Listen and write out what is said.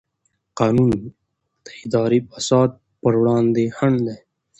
قانون د اداري فساد پر وړاندې خنډ دی.